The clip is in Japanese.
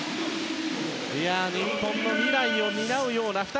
日本の未来を担う２人。